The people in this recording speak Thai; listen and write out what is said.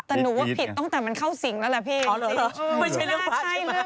แต่หนูว่าผิดต้องแต่มันเข้าสิงแล้วแหละพี่